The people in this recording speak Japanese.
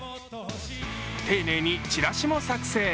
丁寧にチラシも作成。